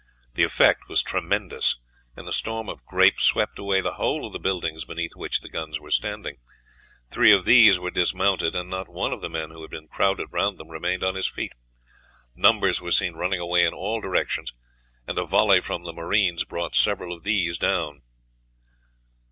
The effect was tremendous, and the storm of grape swept away the whole of the buildings beneath which the guns were standing. Three of these were dismounted, and not one of the men who had been crowded round them remained on his feet. Numbers were seen running away in all directions, and a volley from the marines brought several of these down.